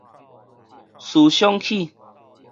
思想起